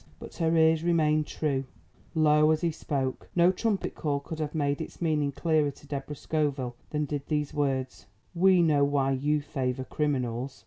But her ears remained true. Low as he spoke, no trumpet call could have made its meaning clearer to Deborah Scoville than did these words: "We know why you favour criminals.